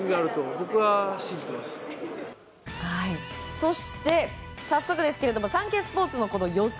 そして早速ですがサンケイスポーツの予想